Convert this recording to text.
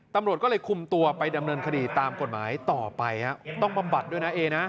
ตำรวจก็เลยคุมตัวไปดำเนินคดีตามกฎหมายต่อไปต้องบำบัดด้วยนะเอนะ